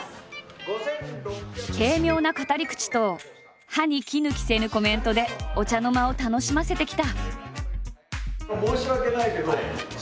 軽妙な語り口と歯に衣着せぬコメントでお茶の間を楽しませてきた。